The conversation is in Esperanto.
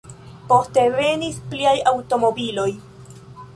Poste venis pliaj aŭtomobiloj.